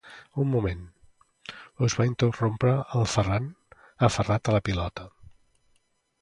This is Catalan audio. Un moment! –us va interrompre el Ferran, aferrat a la pilota–.